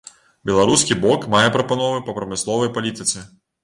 Беларускі бок мае прапановы па прамысловай палітыцы.